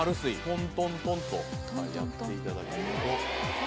トントントンとやって頂けると。